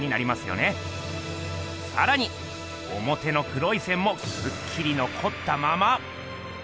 さらにおもての黒い線もくっきりのこったまま。